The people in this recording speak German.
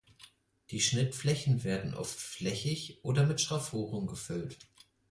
Die Schnittflächen werden oft flächig oder mit Schraffuren gefüllt.